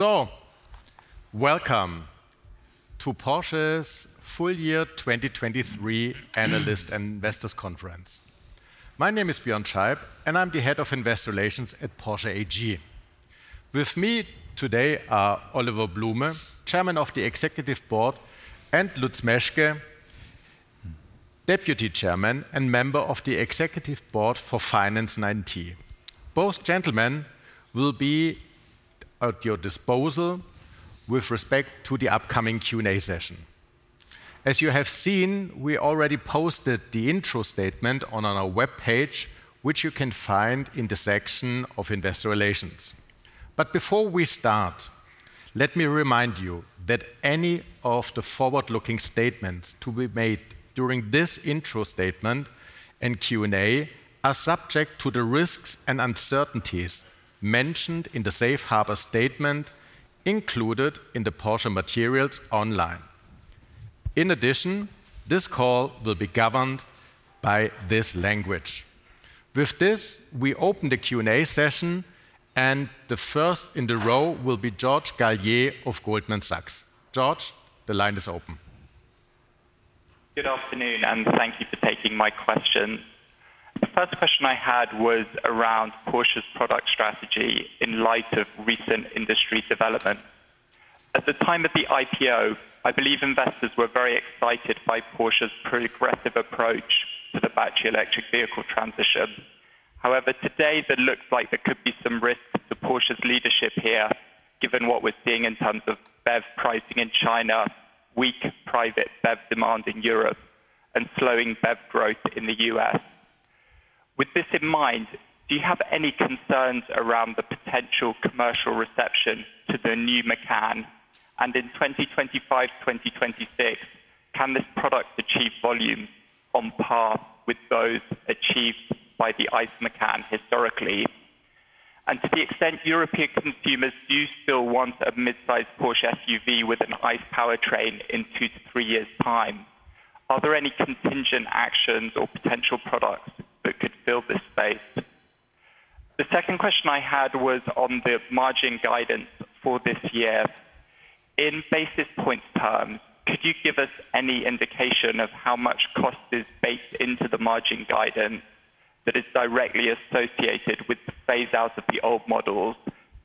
So, welcome to Porsche's full year 2023 Analyst and Investors Conference. My name is Björn Scheib, and I'm the Head of Investor Relations at Porsche AG. With me today are Oliver Blume, Chairman of the Executive Board, and Lutz Meschke, Deputy Chairman and Member of the Executive Board for Finance and IT. Both gentlemen will be at your disposal with respect to the upcoming Q&A session. As you have seen, we already posted the intro statement on our web page, which you can find in the section of Investor Relations. Before we start, let me remind you that any of the forward-looking statements to be made during this intro statement and Q&A are subject to the risks and uncertainties mentioned in the Safe Harbor Statement included in the Porsche materials online. In addition, this call will be governed by this language. With this, we open the Q&A session, and the first in the row will be George Galliers of Goldman Sachs. George, the line is open. Good afternoon, and thank you for taking my question. The first question I had was around Porsche's product strategy in light of recent industry development. At the time of the IPO, I believe investors were very excited by Porsche's progressive approach to the battery electric vehicle transition. However, today it looks like there could be some risks to Porsche's leadership here, given what we're seeing in terms of BEV pricing in China, weak private BEV demand in Europe, and slowing BEV growth in the U.S. With this in mind, do you have any concerns around the potential commercial reception to the new Macan? And in 2025-2026, can this product achieve volume on par with those achieved by the ICE Macan historically? To the extent European consumers do still want a midsize Porsche SUV with an ICE powertrain in two to three years' time, are there any contingent actions or potential products that could fill this space? The second question I had was on the margin guidance for this year. In basis points terms, could you give us any indication of how much cost is baked into the margin guidance that is directly associated with the phase-outs of the old models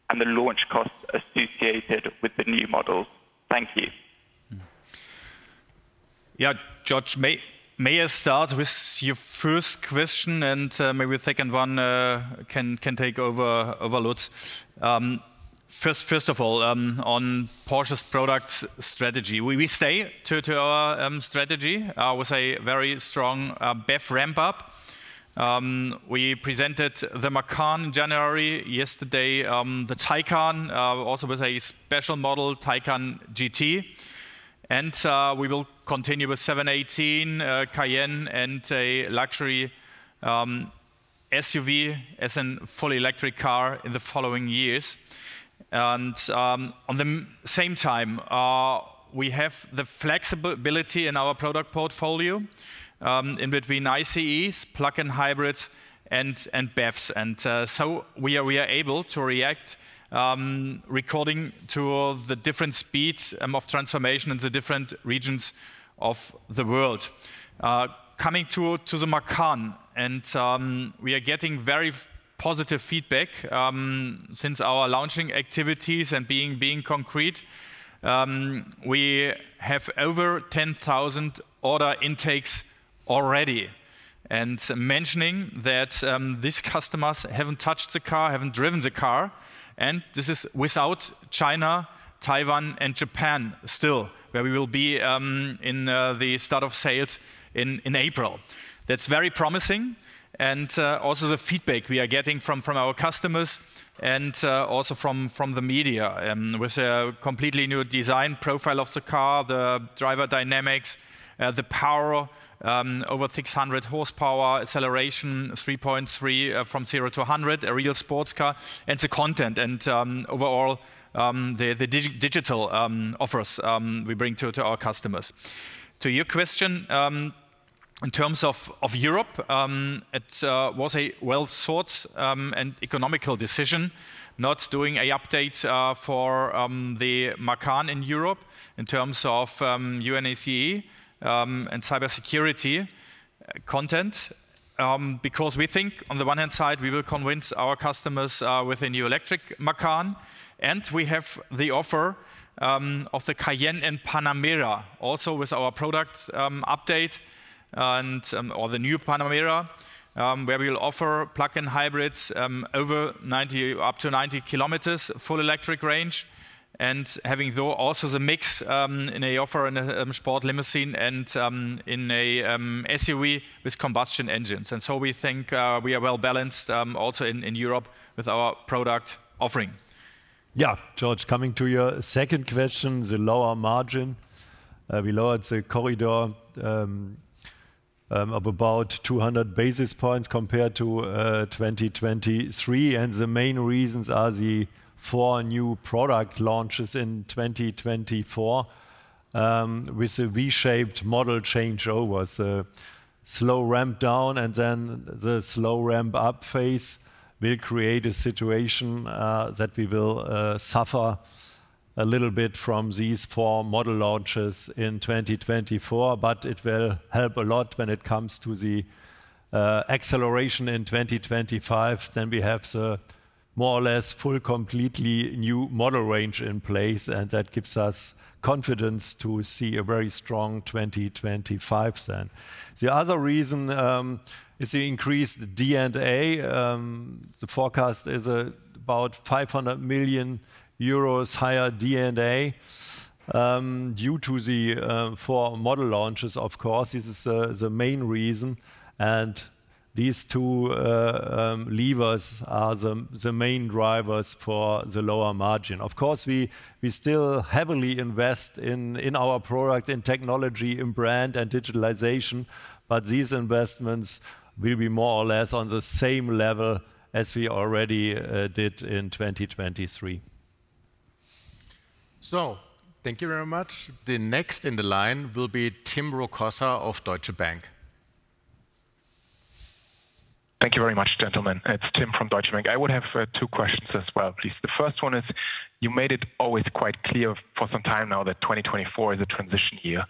and the launch costs associated with the new models? Thank you. Yeah, George, may I start with your first question, and maybe the second one can take over Lutz? First of all, on Porsche's product strategy, we stay to our strategy with a very strong BEV ramp-up. We presented the Macan in January yesterday, the Taycan, also with a special model, Taycan GT. We will continue with 718, Cayenne, and a luxury SUV as a fully electric car in the following years. At the same time, we have the flexibility in our product portfolio in between ICEs, plug-in hybrids, and BEVs. So we are able to react, according to the different speeds of transformation in the different regions of the world. Coming to the Macan, we are getting very positive feedback since our launching activities and, being concrete, we have over 10,000 order intakes already. Mentioning that these customers haven't touched the car, haven't driven the car, and this is without China, Taiwan, and Japan still, where we will be in the start of sales in April. That's very promising. Also the feedback we are getting from our customers and also from the media with a completely new design profile of the car, the driver dynamics, the power, over 600 horsepower, acceleration 3.3 from 0 to 100, a real sports car, and the content and overall the digital offers we bring to our customers. To your question, in terms of Europe, it was a well-sourced and economical decision not doing an update for the Macan in Europe in terms of UNECE and cybersecurity content, because we think, on the one hand side, we will convince our customers with a new electric Macan. We have the offer of the Cayenne and Panamera also with our product update or the new Panamera, where we will offer plug-in hybrids over 90 up to 90 kilometers full electric range, and having also the mix in an offer in a sport limousine and in an SUV with combustion engines. So we think we are well balanced also in Europe with our product offering. Yeah, George, coming to your second question, the lower margin. We lowered the corridor of about 200 basis points compared to 2023. The main reasons are the four new product launches in 2024 with a V-shaped model changeover. The slow ramp down and then the slow ramp up phase will create a situation that we will suffer a little bit from these four model launches in 2024. It will help a lot when it comes to the acceleration in 2025. We have the more or less full, completely new model range in place. That gives us confidence to see a very strong 2025 then. The other reason is the increased D&A. The forecast is about 500 million euros higher D&A due to the four model launches, of course. This is the main reason. These two levers are the main drivers for the lower margin. Of course, we still heavily invest in our products, in technology, in brand, and digitalization. But these investments will be more or less on the same level as we already did in 2023. So thank you very much. The next in the line will be Tim Rokossa of Deutsche Bank. Thank you very much, gentlemen. It's Tim from Deutsche Bank. I would have two questions as well, please. The first one is, you made it always quite clear for some time now that 2024 is a transition year.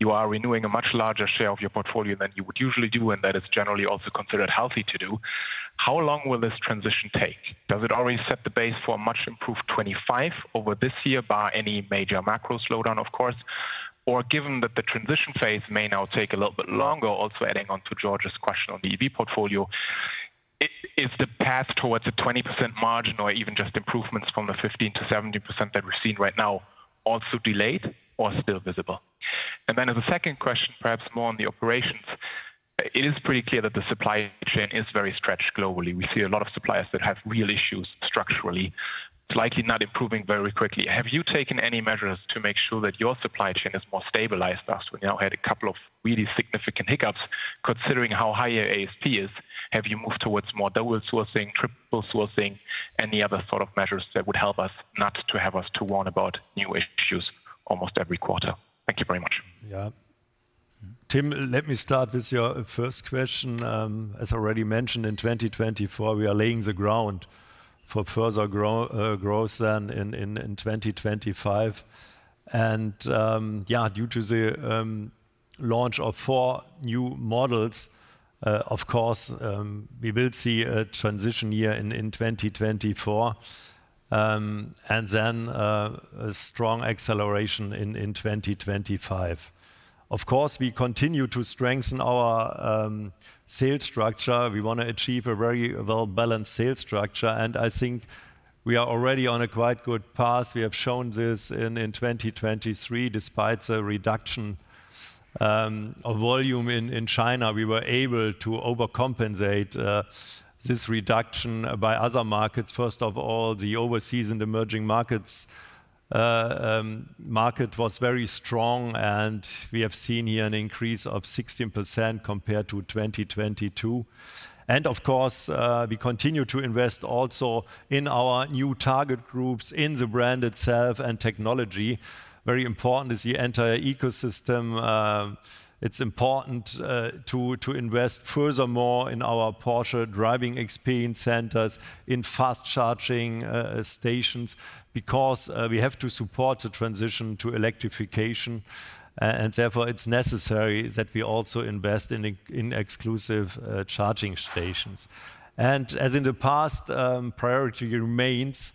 You are renewing a much larger share of your portfolio than you would usually do, and that is generally also considered healthy to do. How long will this transition take? Does it already set the base for a much improved 2025 over this year, bar any major macro slowdown, of course? Or given that the transition phase may now take a little bit longer, also adding on to George's question on the EV portfolio, is the path towards a 20% margin or even just improvements from the 15%-17% that we've seen right now also delayed or still visible? And then as a second question, perhaps more on the operations, it is pretty clear that the supply chain is very stretched globally. We see a lot of suppliers that have real issues structurally. It's likely not improving very quickly. Have you taken any measures to make sure that your supply chain is more stabilized? We now had a couple of really significant hiccups. Considering how high your ASP is, have you moved towards more double sourcing, triple sourcing, any other sort of measures that would help us not to have us to warn about new issues almost every quarter? Thank you very much. Yeah. Tim, let me start with your first question. As already mentioned, in 2024, we are laying the ground for further growth then in 2025. Yeah, due to the launch of four new models, of course, we will see a transition year in 2024 and then a strong acceleration in 2025. Of course, we continue to strengthen our sales structure. We want to achieve a very well-balanced sales structure. I think we are already on a quite good path. We have shown this in 2023, despite the reduction of volume in China. We were able to overcompensate this reduction by other markets. First of all, the overseas and emerging markets market was very strong. We have seen here an increase of 16% compared to 2022. Of course, we continue to invest also in our new target groups in the brand itself and technology. Very important is the entire ecosystem. It's important to invest furthermore in our Porsche driving experience centers, in fast charging stations, because we have to support the transition to electrification. Therefore, it's necessary that we also invest in exclusive charging stations. As in the past, priority remains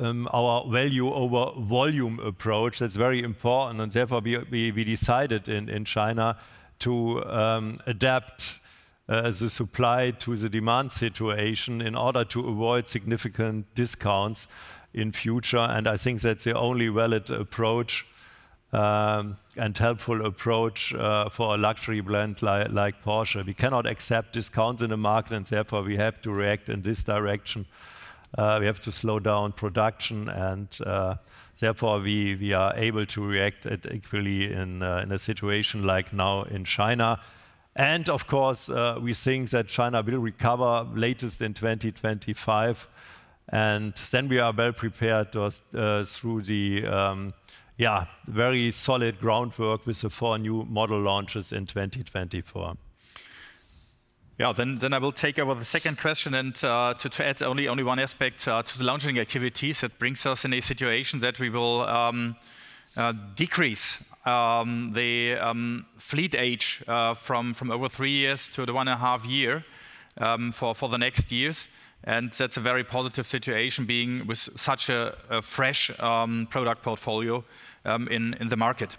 our value over volume approach. That's very important. Therefore, we decided in China to adapt the supply to the demand situation in order to avoid significant discounts in future. I think that's the only valid approach and helpful approach for a luxury brand like Porsche. We cannot accept discounts in the market. Therefore, we have to react in this direction. We have to slow down production. Therefore, we are able to react equally in a situation like now in China. Of course, we think that China will recover latest in 2025. And then we are well prepared through the very solid groundwork with the four new model launches in 2024. Yeah, then I will take over the second question. To add only one aspect to the launching activities, it brings us in a situation that we will decrease the fleet age from over 3 years to the 1.5 year for the next years. That's a very positive situation, being with such a fresh product portfolio in the market.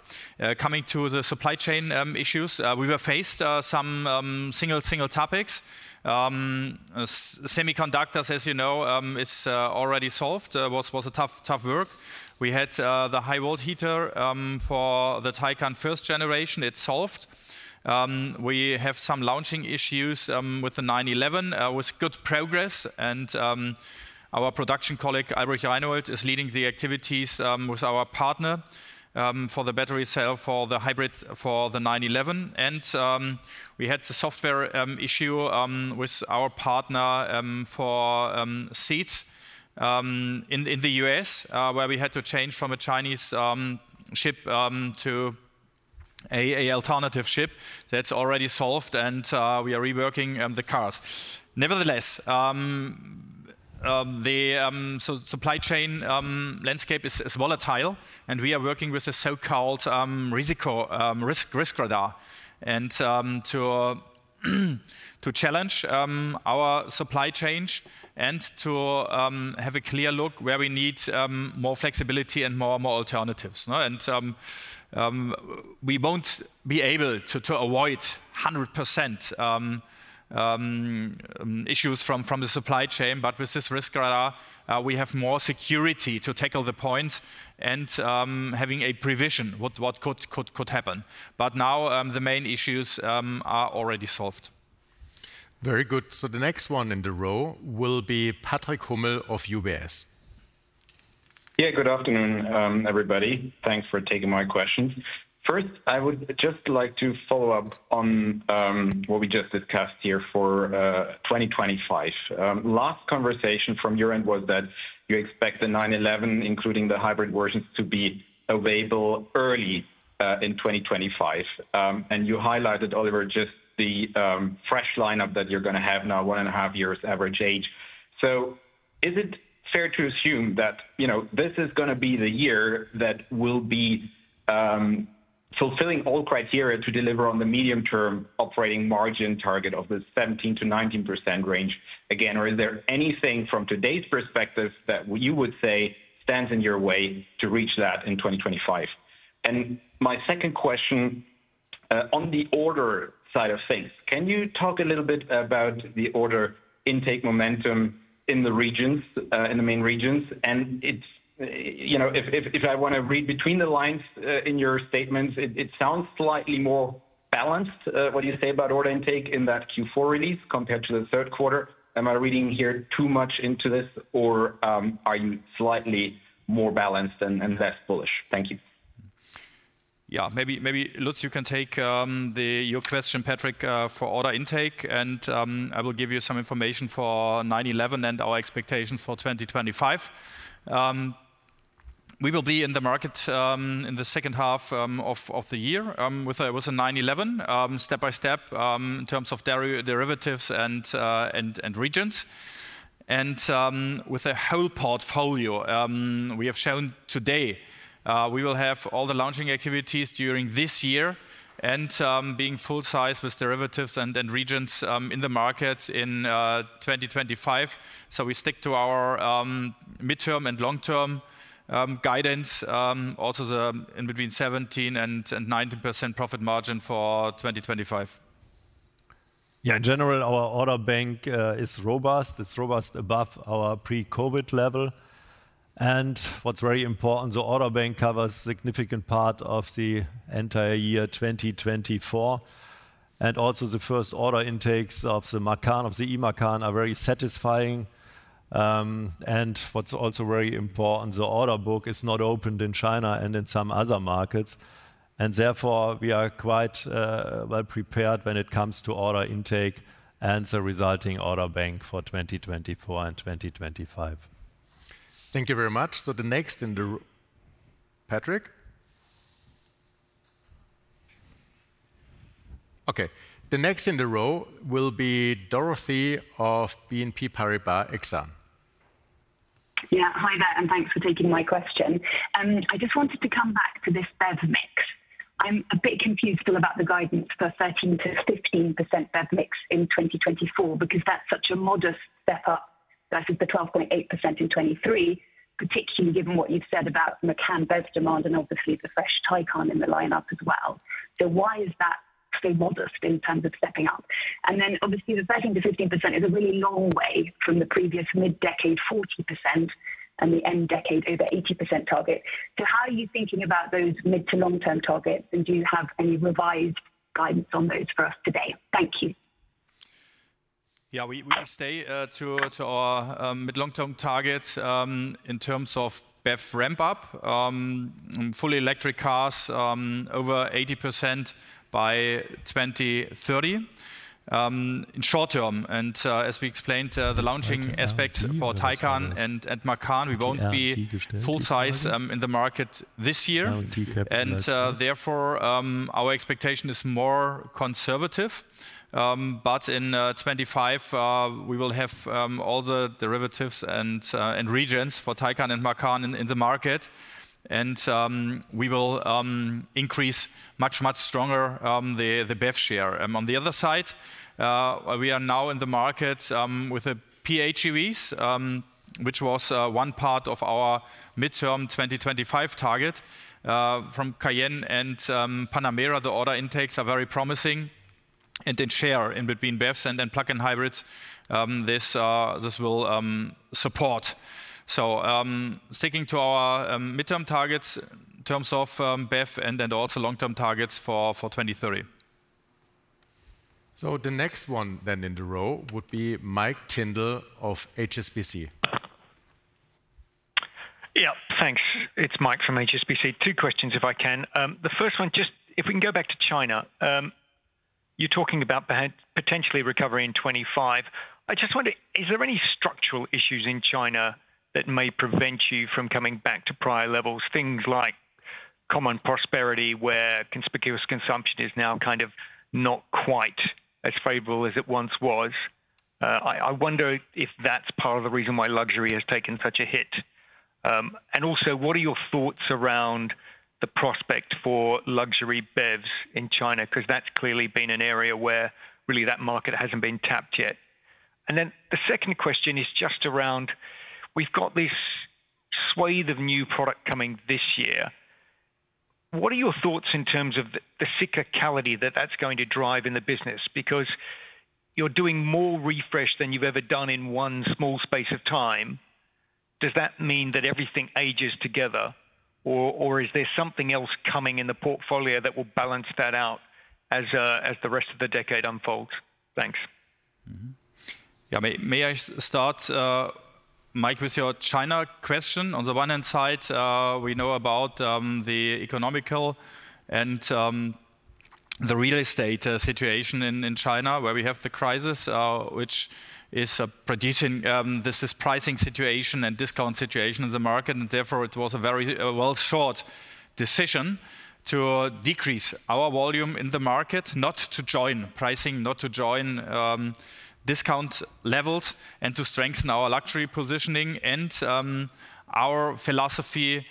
Coming to the supply chain issues, we were faced with some single topics. Semiconductors, as you know, are already solved. It was a tough work. We had the high-volt heater for the Taycan first generation. It's solved. We have some launching issues with the 911 with good progress. Our production colleague, Albrecht Reimold, is leading the activities with our partner for the battery cell for the hybrid for the 911. We had the software issue with our partner for seats in the U.S., where we had to change from a Chinese chip to an alternative chip. That's already solved. We are reworking the cars. Nevertheless, the supply chain landscape is volatile. We are working with a so-called Risk Radar to challenge our supply chain and to have a clear look where we need more flexibility and more alternatives. We won't be able to avoid 100% issues from the supply chain. With this Risk Radar, we have more security to tackle the points and having a prevision of what could happen. Now the main issues are already solved. Very good. So the next one in the row will be Patrick Hummel of UBS. Yeah, good afternoon, everybody. Thanks for taking my questions. First, I would just like to follow up on what we just discussed here for 2025. Last conversation from your end was that you expect the 911, including the hybrid versions, to be available early in 2025. And you highlighted, Oliver, just the fresh lineup that you're going to have now, 1.5 years average age. So is it fair to assume that this is going to be the year that will be fulfilling all criteria to deliver on the medium-term operating margin target of the 17%-19% range again? Or is there anything from today's perspective that you would say stands in your way to reach that in 2025? And my second question, on the order side of things, can you talk a little bit about the order intake momentum in the main regions? If I want to read between the lines in your statements, it sounds slightly more balanced, what you say about order intake in that Q4 release compared to the third quarter. Am I reading here too much into this? Or are you slightly more balanced and less bullish? Thank you. Yeah, maybe, Lutz, you can take your question, Patrick, for order intake. I will give you some information for 911 and our expectations for 2025. We will be in the market in the second half of the year with a 911, step by step, in terms of derivatives and regions. With a whole portfolio, we have shown today, we will have all the launching activities during this year and being full-size with derivatives and regions in the market in 2025. We stick to our midterm and long-term guidance, also in between 17%-19% profit margin for 2025. Yeah, in general, our order bank is robust. It's robust above our pre-COVID level. What's very important, the order bank covers a significant part of the entire year 2024. Also, the first order intakes of the e-Macan are very satisfying. What's also very important, the order book is not opened in China and in some other markets. Therefore, we are quite well prepared when it comes to order intake and the resulting order bank for 2024 and 2025. Thank you very much. So the next in the row, Patrick. OK, the next in the row will be Dorothee of BNP Paribas Exane. Yeah, hi there. And thanks for taking my question. I just wanted to come back to this BEV mix. I'm a bit confused still about the guidance for 13%-15% BEV mix in 2024 because that's such a modest step up versus the 12.8% in 2023, particularly given what you've said about Macan BEV demand and obviously the fresh Taycan in the lineup as well. So why is that so modest in terms of stepping up? And then obviously, the 13%-15% is a really long way from the previous mid-decade 40% and the end-decade over 80% target. So how are you thinking about those mid- to long-term targets? And do you have any revised guidance on those for us today? Thank you. Yeah, we stay to our mid-long-term targets in terms of BEV ramp up, fully electric cars over 80% by 2030 in short term. And as we explained, the launching aspects for Taycan and Macan, we won't be full-size in the market this year. And therefore, our expectation is more conservative. But in 2025, we will have all the derivatives and regions for Taycan and Macan in the market. And we will increase much, much stronger the BEV share. On the other side, we are now in the market with the PHEVs, which was one part of our mid-term 2025 target. From Cayenne and Panamera, the order intakes are very promising. And in share in between BEVs and plug-in hybrids, this will support. So sticking to our mid-term targets in terms of BEV and also long-term targets for 2030. So the next one then in the row would be Mike Tyndall of HSBC. Yeah, thanks. It's Mike from HSBC. Two questions, if I can. The first one, just if we can go back to China, you're talking about potentially recovery in 2025. I just wonder, is there any structural issues in China that may prevent you from coming back to prior levels, things like Common Prosperity, where conspicuous consumption is now kind of not quite as favorable as it once was? I wonder if that's part of the reason why luxury has taken such a hit. And also, what are your thoughts around the prospect for luxury BEVs in China? Because that's clearly been an area where really that market hasn't been tapped yet. And then the second question is just around we've got this swath of new product coming this year. What are your thoughts in terms of the cyclicality that that's going to drive in the business? Because you're doing more refresh than you've ever done in one small space of time. Does that mean that everything ages together? Or is there something else coming in the portfolio that will balance that out as the rest of the decade unfolds? Thanks. Yeah, may I start, Mike, with your China question? On the one hand side, we know about the economic and the real estate situation in China, where we have the crisis, which is producing this pricing situation and discount situation in the market. And therefore, it was a very well-thought decision to decrease our volume in the market, not to join pricing, not to join discount levels, and to strengthen our luxury positioning and our philosophy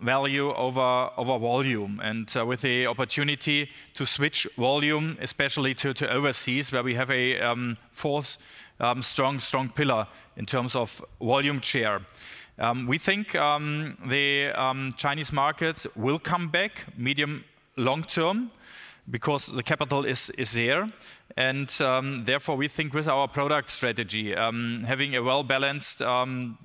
value over volume, and with the opportunity to switch volume, especially to overseas, where we have a fourth strong, strong pillar in terms of volume share. We think the Chinese markets will come back medium-long-term because the capital is there. Therefore, we think with our product strategy, having a well-balanced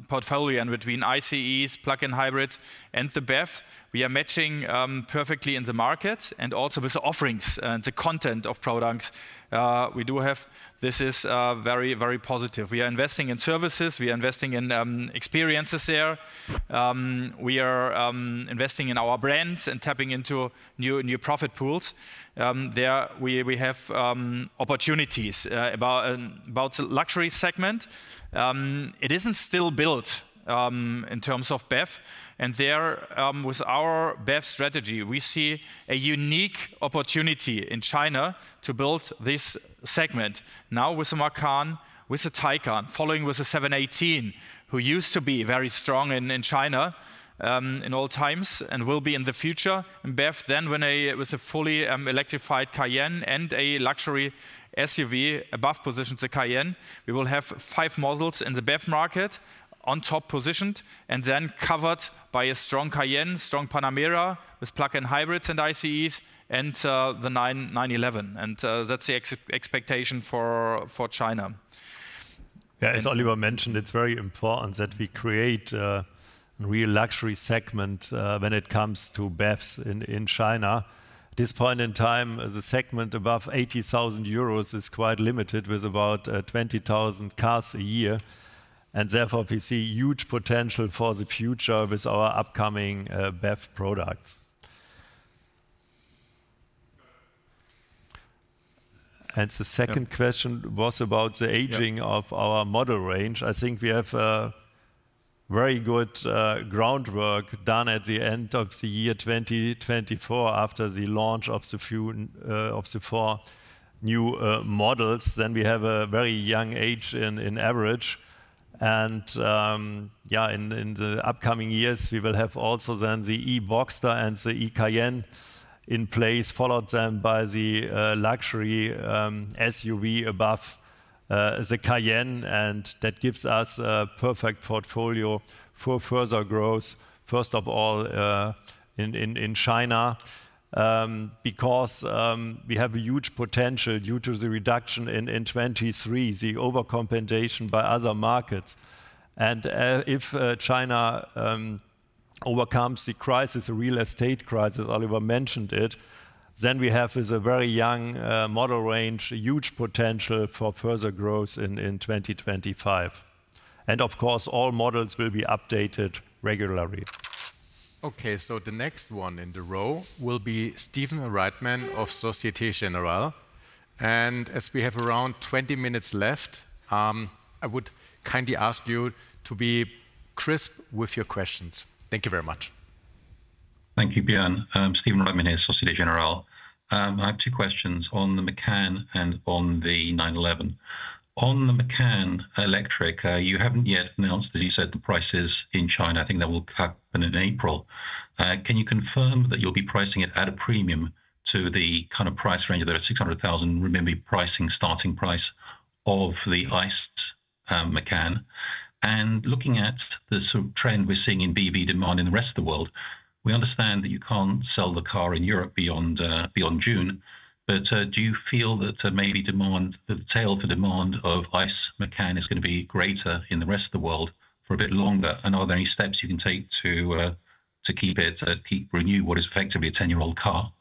portfolio in between ICEs, plug-in hybrids, and the BEV, we are matching perfectly in the market and also with the offerings and the content of products we do have. This is very, very positive. We are investing in services. We are investing in experiences there. We are investing in our brands and tapping into new profit pools. There, we have opportunities about the luxury segment. It isn't still built in terms of BEV. And there, with our BEV strategy, we see a unique opportunity in China to build this segment now with the Macan, with the Taycan, following with the 718, who used to be very strong in China in all times and will be in the future in BEV. Then, with a fully electrified Cayenne and a luxury SUV above positioned the Cayenne, we will have five models in the BEV market on top positioned and then covered by a strong Cayenne, strong Panamera with plug-in hybrids and ICEs, and the 911. That's the expectation for China. Yeah, as Oliver mentioned, it's very important that we create a real luxury segment when it comes to BEVs in China. At this point in time, the segment above 80,000 euros is quite limited with about 20,000 cars a year. Therefore, we see huge potential for the future with our upcoming BEV products. The second question was about the aging of our model range. I think we have very good groundwork done at the end of the year 2024 after the launch of the four new models. Then we have a very young age in average. Yeah, in the upcoming years, we will have also then the e-Boxster and the e-Cayenne in place, followed then by the luxury SUV above the Cayenne. That gives us a perfect portfolio for further growth, first of all, in China because we have a huge potential due to the reduction in 2023, the overcompensation by other markets. If China overcomes the crisis, the real estate crisis, Oliver mentioned it, then we have a very young model range, huge potential for further growth in 2025. Of course, all models will be updated regularly. OK, so the next one in the row will be Stephen Reitman of Société Générale. As we have around 20 minutes left, I would kindly ask you to be crisp with your questions. Thank you very much. Thank you, Björn. Stephen Reitman here, Société Générale. I have two questions on the Macan and on the 911. On the Macan electric, you haven't yet announced, as you said, the prices in China. I think that will happen in April. Can you confirm that you'll be pricing it at a premium to the kind of price range of the $600,000, remember, pricing starting price of the ICE Macan? And looking at the trend we're seeing in BEV demand in the rest of the world, we understand that you can't sell the car in Europe beyond June. But do you feel that maybe the tail for demand of ICE Macan is going to be greater in the rest of the world for a bit longer? And are there any steps you can take to keep it, keep renew what is effectively a 10-year-old car?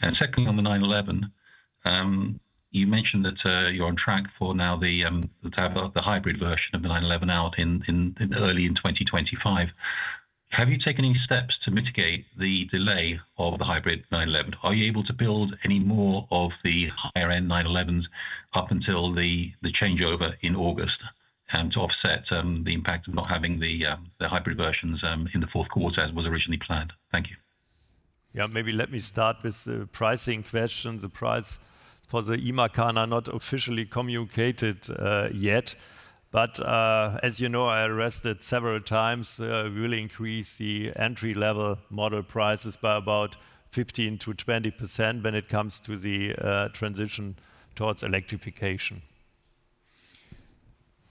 And secondly, on the 911, you mentioned that you're on track for now to have the hybrid version of the 911 out early in 2025. Have you taken any steps to mitigate the delay of the hybrid 911? Are you able to build any more of the higher-end 911s up until the changeover in August to offset the impact of not having the hybrid versions in the fourth quarter as was originally planned? Thank you. Yeah, maybe let me start with the pricing question. The price for the e-Macan is not officially communicated yet. But as you know, I've addressed several times, really increased the entry-level model prices by about 15%-20% when it comes to the transition towards electrification.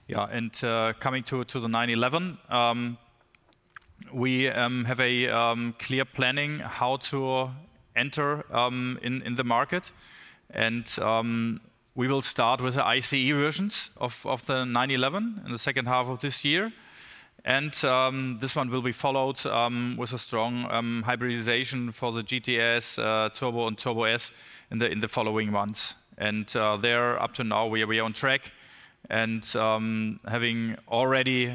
Yeah, and coming to the 911, we have a clear planning how to enter in the market. And we will start with the ICE versions of the 911 in the second half of this year. And this one will be followed with a strong hybridization for the GTS, Turbo, and Turbo S in the following months. And there, up to now, we are on track and having already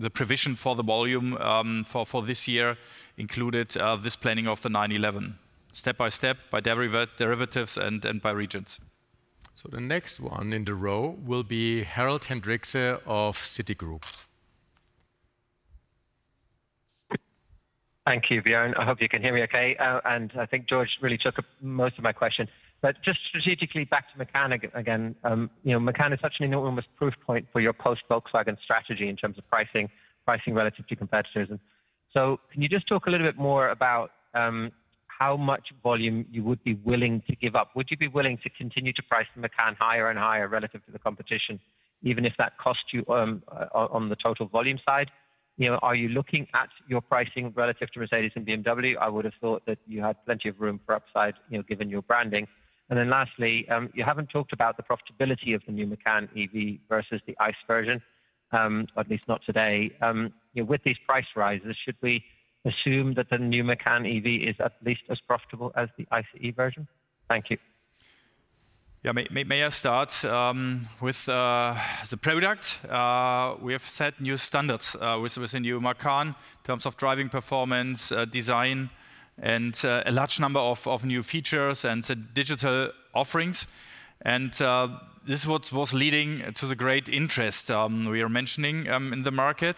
the provision for the volume for this year included this planning of the 911 step by step by derivatives and by regions. So the next one in the row will be Harald Hendrikse of Citigroup. Thank you, Björn. I hope you can hear me OK. And I think George really took most of my question. But just strategically back to Macan again, Macan is such an enormous proof point for your post-Volkswagen strategy in terms of pricing relative to competitors. And so can you just talk a little bit more about how much volume you would be willing to give up? Would you be willing to continue to price the Macan higher and higher relative to the competition, even if that costs you on the total volume side? Are you looking at your pricing relative to Mercedes and BMW? I would have thought that you had plenty of room for upside given your branding. And then lastly, you haven't talked about the profitability of the new Macan EV versus the ICE version, at least not today. With these price rises, should we assume that the new Macan EV is at least as profitable as the ICE version? Thank you. Yeah, may I start with the product? We have set new standards with the new Macan in terms of driving performance, design, and a large number of new features and digital offerings. This was leading to the great interest we are mentioning in the market.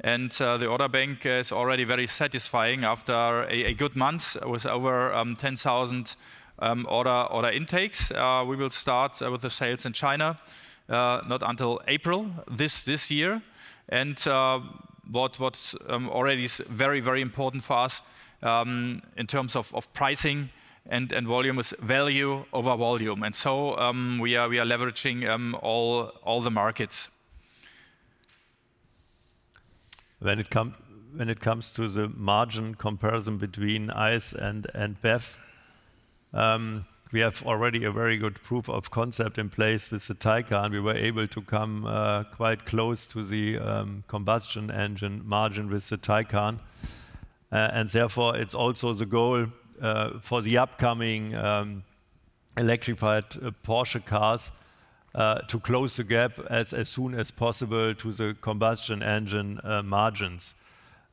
The order bank is already very satisfying after a good month with over 10,000 order intakes. We will start with the sales in China not until April this year. What's already very, very important for us in terms of pricing and volume is value over volume. So we are leveraging all the markets. When it comes to the margin comparison between ICE and BEV, we have already a very good proof of concept in place with the Taycan. We were able to come quite close to the combustion engine margin with the Taycan. And therefore, it's also the goal for the upcoming electrified Porsche cars to close the gap as soon as possible to the combustion engine margins.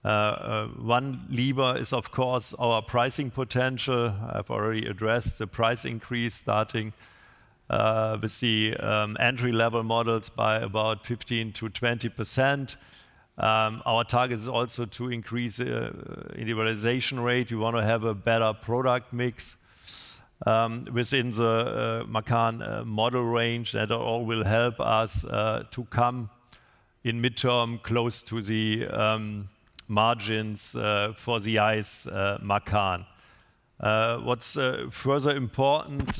One lever is, of course, our pricing potential. I've already addressed the price increase starting with the entry-level models by about 15%-20%. Our target is also to increase the individualization rate. We want to have a better product mix within the Macan model range. That all will help us to come in midterm close to the margins for the ICE Macan. What’s further important,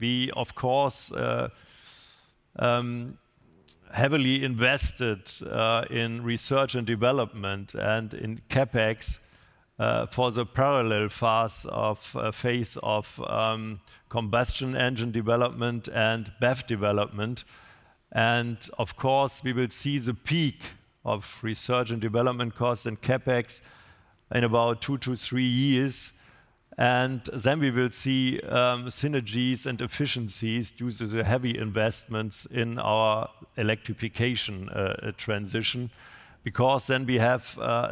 we, of course, heavily invested in research and development and in CapEx for the parallel phase of combustion engine development and BEV development. Of course, we will see the peak of research and development costs and CapEx in about 2-3 years. Then we will see synergies and efficiencies due to the heavy investments in our electrification transition because then we have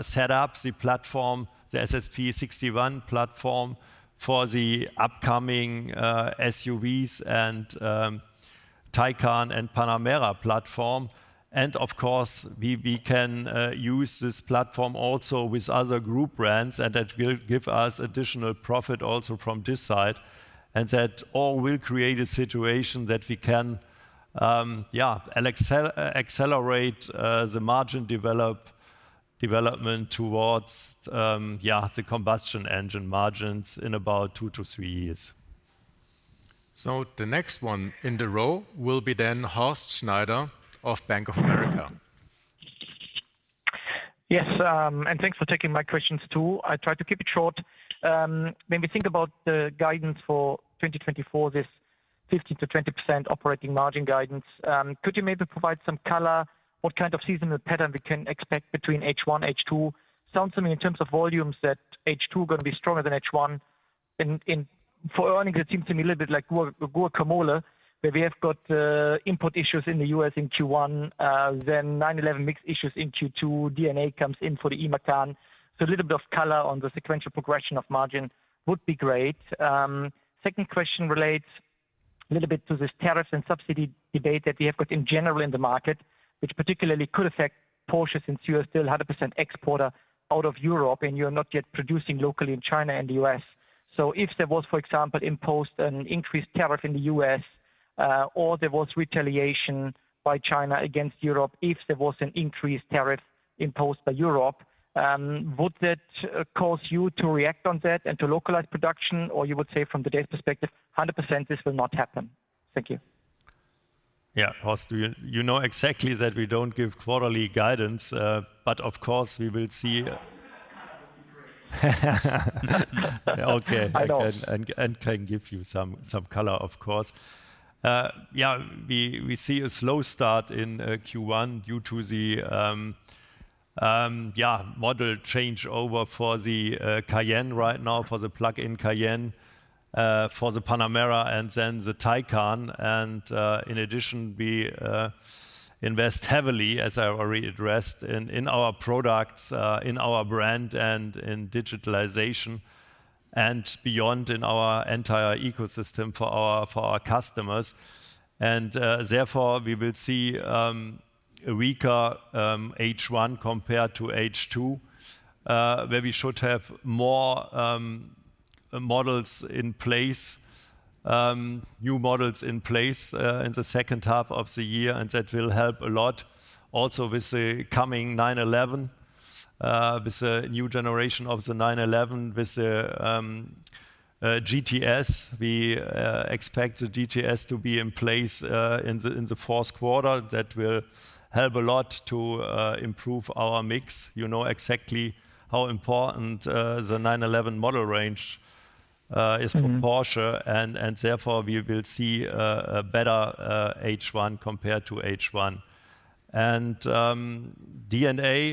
set up the platform, the SSP K1 platform for the upcoming SUVs and Taycan and Panamera platform. Of course, we can use this platform also with other group brands. That will give us additional profit also from this side. That all will create a situation that we can accelerate the margin development towards the combustion engine margins in about 2-3 years. The next one in the row will be then Horst Schneider of Bank of America. Yes, and thanks for taking my questions, too. I'll try to keep it short. When we think about the guidance for 2024, this 15%-20% operating margin guidance, could you maybe provide some color? What kind of seasonal pattern we can expect between H1 and H2? Sounds to me, in terms of volumes, that H2 is going to be stronger than H1. For earnings, it seems to me a little bit like Whac-A-Mole, where we have got input issues in the US in Q1. Then 911 mix issues in Q2. D&A comes in for the e-Macan. So a little bit of color on the sequential progression of margin would be great. Second question relates a little bit to this tariffs and subsidy debate that we have got in general in the market, which particularly could affect Porsche since you are still 100% exporter out of Europe, and you are not yet producing locally in China and the U.S. So if there was, for example, imposed an increased tariff in the U.S. or there was retaliation by China against Europe if there was an increased tariff imposed by Europe, would that cause you to react on that and to localize production? Or you would say, from today's perspective, 100% this will not happen? Thank you. Yeah, Horst, you know exactly that we don't give quarterly guidance. But of course, we will see. OK, I can give you some color, of course. Yeah, we see a slow start in Q1 due to the model changeover for the Cayenne right now, for the plug-in Cayenne, for the Panamera, and then the Taycan. And in addition, we invest heavily, as I already addressed, in our products, in our brand, and in digitalization and beyond in our entire ecosystem for our customers. And therefore, we will see a weaker H1 compared to H2, where we should have more models in place, new models in place in the second half of the year. And that will help a lot also with the coming 911, with the new generation of the 911, with the GTS. We expect the GTS to be in place in the fourth quarter. That will help a lot to improve our mix. You know exactly how important the 911 model range is for Porsche. And therefore, we will see a better H2 compared to H1. And D&A,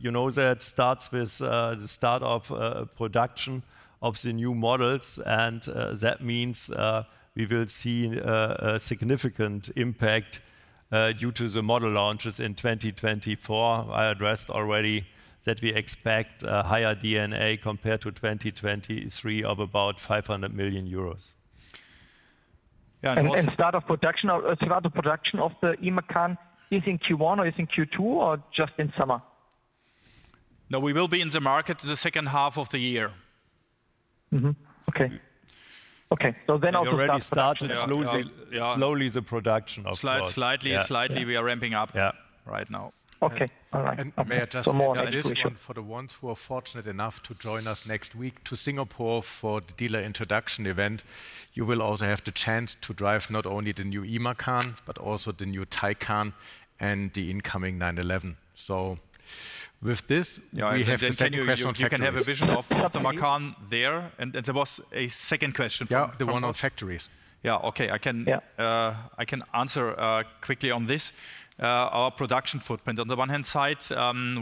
you know that starts with the start of production of the new models. And that means we will see a significant impact due to the model launches in 2024. I addressed already that we expect higher D&A compared to 2023 of about 500 million euros. The start of production of the e-Macan, is it in Q1 or is it in Q2 or just in summer? No, we will be in the market in the second half of the year. OK, OK, so then also. We already started slowly the production of Porsche. Slightly, slightly we are ramping up right now. OK, all right. May I just. For more information for the ones who are fortunate enough to join us next week to Singapore for the dealer introduction event, you will also have the chance to drive not only the new e-Macan but also the new Taycan and the incoming 911. So with this, we have to send you a question on factories. Yeah, you can have a vision of the Macan there. There was a second question from the one on factories. Yeah, OK, I can answer quickly on this. Our production footprint, on the one hand side,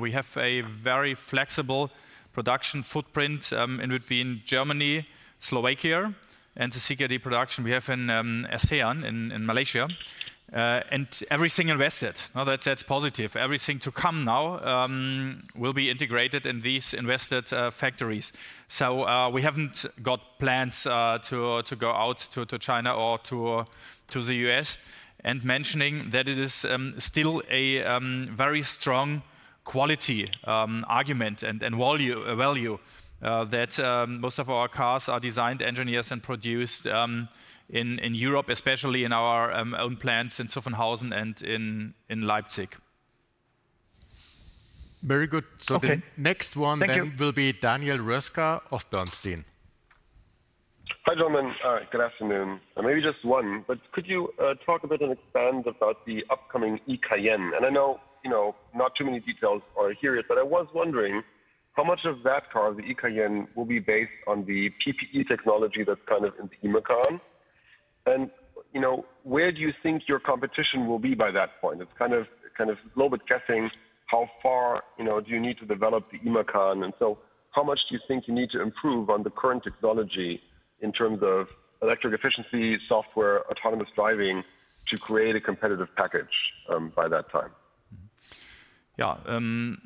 we have a very flexible production footprint in between Germany, Slovakia, and the CKD production we have in ASEAN in Malaysia. Everything invested, that's positive. Everything to come now will be integrated in these invested factories. So we haven't got plans to go out to China or to the U.S., and mentioning that it is still a very strong quality argument and value that most of our cars are designed, engineered, and produced in Europe, especially in our own plants in Zuffenhausen and in Leipzig. Very good. So the next one will be Daniel Roeska of Bernstein. Hi, gentlemen. Good afternoon. Maybe just one. Could you talk a bit and expand about the upcoming e-Cayenne? I know not too many details are here. But I was wondering how much of that car, the e-Cayenne, will be based on the PPE technology that's kind of in the e-Macan? Where do you think your competition will be by that point? It's kind of a little bit guessing. How far do you need to develop the e-Macan? How much do you think you need to improve on the current technology in terms of electric efficiency, software, autonomous driving to create a competitive package by that time? Yeah,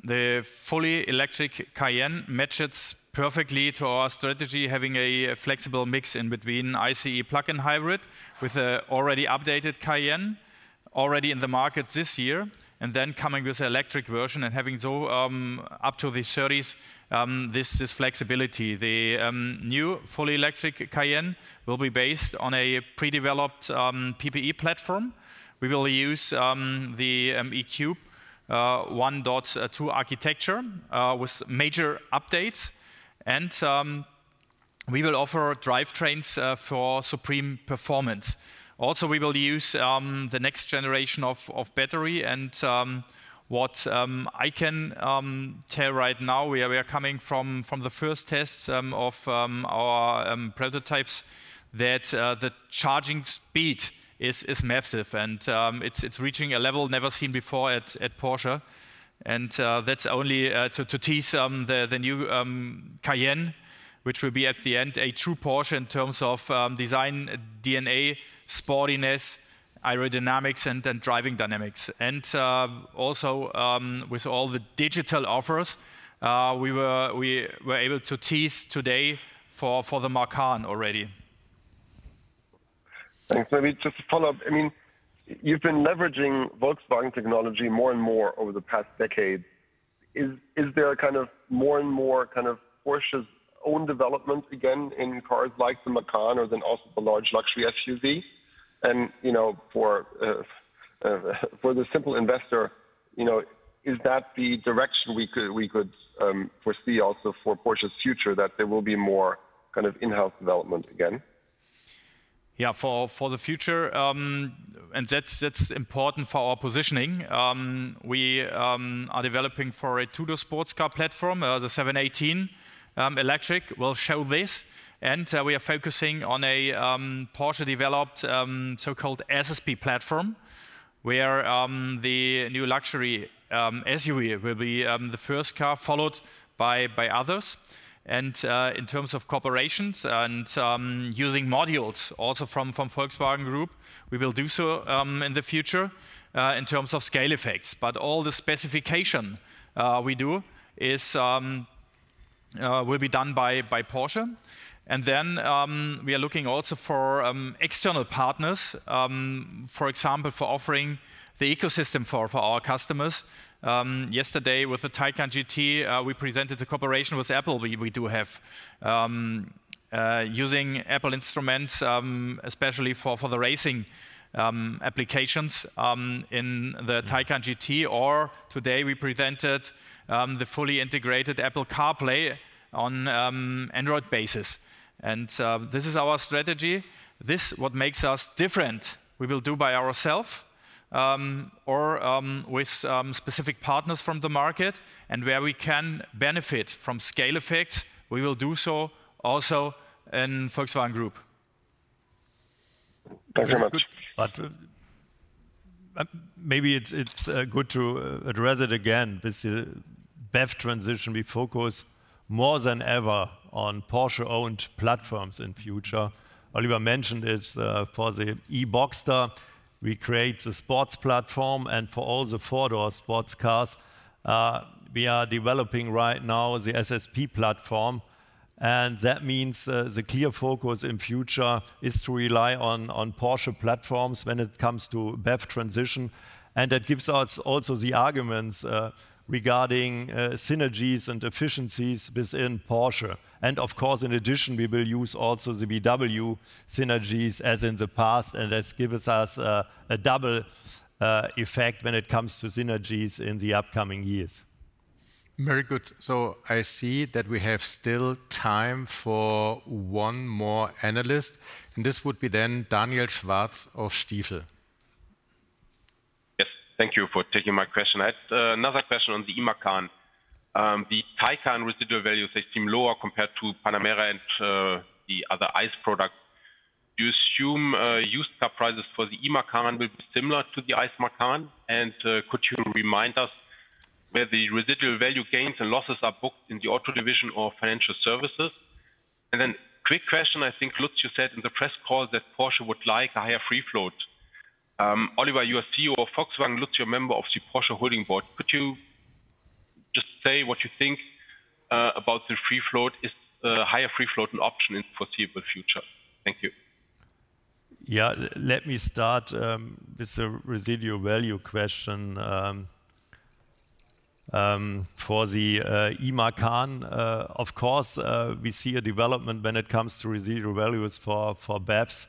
the fully electric Cayenne matches perfectly to our strategy, having a flexible mix in between ICE plug-in hybrid with the already updated Cayenne, already in the market this year, and then coming with an electric version and having up to the '30s this flexibility. The new fully electric Cayenne will be based on a pre-developed PPE platform. We will use the E3 1.2 architecture with major updates. We will offer drivetrains for supreme performance. Also, we will use the next generation of battery. And what I can tell right now, we are coming from the first tests of our prototypes, that the charging speed is massive. And it's reaching a level never seen before at Porsche. And that's only to tease the new Cayenne, which will be at the end a true Porsche in terms of design, DNA, sportiness, aerodynamics, and driving dynamics. Also, with all the digital offers, we were able to tease today for the Macan already. Thanks. Maybe just to follow up, I mean, you've been leveraging Volkswagen technology more and more over the past decade. Is there kind of more and more kind of Porsche's own development again in cars like the Macan or then also the large luxury SUV? And for the simple investor, is that the direction we could foresee also for Porsche's future, that there will be more kind of in-house development again? Yeah, for the future, and that's important for our positioning, we are developing for a two-door sports car platform. The 718 Electric will show this. We are focusing on a Porsche-developed so-called SSP platform, where the new luxury SUV will be the first car, followed by others. In terms of cooperations and using modules also from Volkswagen Group, we will do so in the future in terms of scale effects. But all the specifications we do will be done by Porsche. Then we are looking also for external partners, for example, for offering the ecosystem for our customers. Yesterday, with the Taycan GT, we presented the collaboration with Apple we do have, using Apple instruments, especially for the racing applications in the Taycan GT. Or today, we presented the fully integrated Apple CarPlay and Android Auto. And this is our strategy. This, what makes us different, we will do by ourselves or with specific partners from the market. Where we can benefit from scale effects, we will do so also in Volkswagen Group. Thanks very much. But maybe it's good to address it again. With the BEV transition, we focus more than ever on Porsche-owned platforms in the future. Oliver mentioned it for the e-Boxster. We create the sports platform. And for all the four-door sports cars, we are developing right now the SSP platform. And that means the clear focus in the future is to rely on Porsche platforms when it comes to BEV transition. And that gives us also the arguments regarding synergies and efficiencies within Porsche. And of course, in addition, we will use also the VW synergies as in the past. And that gives us a double effect when it comes to synergies in the upcoming years. Very good. So I see that we have still time for one more analyst. And this would be then Daniel Schwarz of Stifel. Yes, thank you for taking my question. I had another question on the e-Macan. The Taycan residual values seem lower compared to Panamera and the other ICE products. Do you assume used car prices for the e-Macan will be similar to the ICE Macan? Could you remind us where the residual value gains and losses are booked in the auto division or financial services? Then quick question, I think, Lutz, you said in the press call that Porsche would like a higher free float. Oliver, you are CEO of Volkswagen. Lutz, you're a member of the Porsche holding board. Could you just say what you think about the free float? Is a higher free float an option in the foreseeable future? Thank you. Yeah, let me start with the residual value question. For the e-Macan, of course, we see a development when it comes to residual values for BEVs,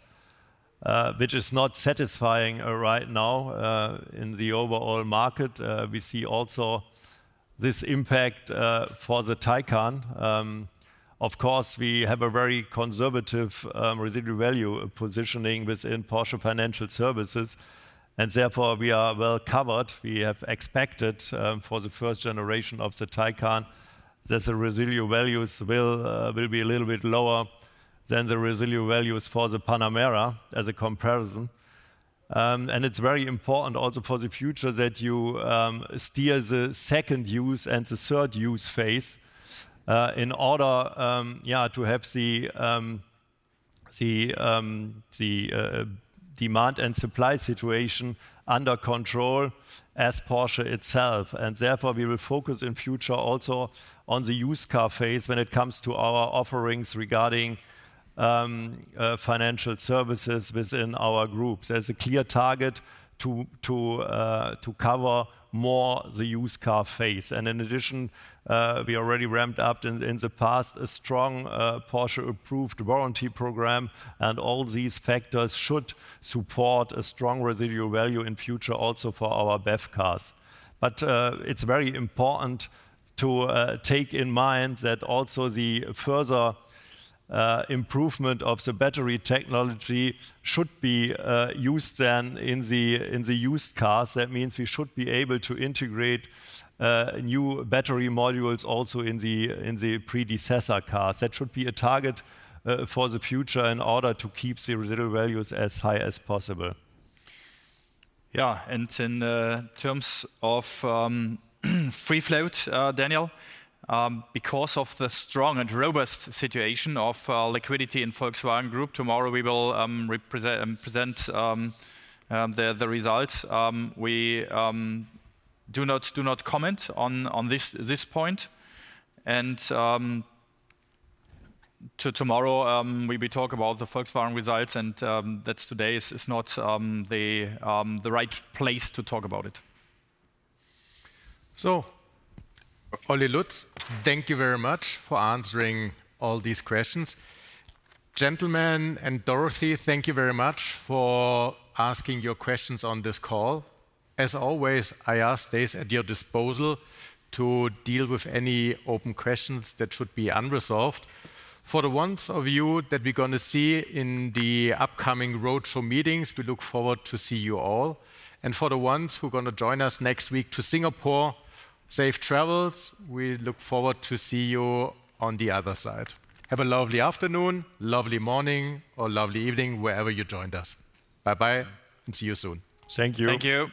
which is not satisfying right now in the overall market. We see also this impact for the Taycan. Of course, we have a very conservative residual value positioning within Porsche Financial Services. And therefore, we are well covered. We have expected for the first generation of the Taycan that the residual values will be a little bit lower than the residual values for the Panamera as a comparison. And it's very important also for the future that you steer the second use and the third use phase in order to have the demand and supply situation under control as Porsche itself. Therefore, we will focus in the future also on the used car phase when it comes to our offerings regarding financial services within our group. There's a clear target to cover more the used car phase. In addition, we already ramped up in the past a strong Porsche Approved warranty program. All these factors should support a strong residual value in the future also for our BEV cars. But it's very important to take in mind that also the further improvement of the battery technology should be used then in the used cars. That means we should be able to integrate new battery modules also in the predecessor cars. That should be a target for the future in order to keep the residual values as high as possible. Yeah, and in terms of free float, Daniel, because of the strong and robust situation of liquidity in Volkswagen Group, tomorrow we will present the results. We do not comment on this point. Tomorrow, we will talk about the Volkswagen results. That today is not the right place to talk about it. So, Oliver, Lutz, thank you very much for answering all these questions. Gentlemen and Dorothy, thank you very much for asking your questions on this call. As always, I ask stays at your disposal to deal with any open questions that should be unresolved. For the ones of you that we're going to see in the upcoming roadshow meetings, we look forward to seeing you all. And for the ones who are going to join us next week to Singapore, safe travels. We look forward to seeing you on the other side. Have a lovely afternoon, lovely morning, or lovely evening, wherever you joined us. Bye-bye and see you soon. Thank you. Thank you.